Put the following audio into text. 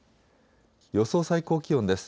予想最高気温です。